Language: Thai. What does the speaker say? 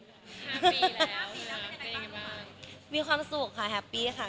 ห้าปีแล้วมีความสุขค่ะแฮปปี้ค่ะ